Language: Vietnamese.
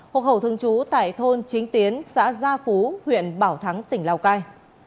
hộ khẩu thường trú tại thôn chính tiến xã gia phú huyện bảo thắng tỉnh lào cai